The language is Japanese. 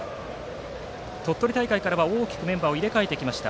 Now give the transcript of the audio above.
鳥取大会からは大きくメンバーを入れ替えてきました。